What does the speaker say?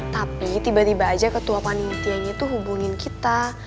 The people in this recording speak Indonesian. tapi tiba tiba aja ketua panitianya itu hubungin kita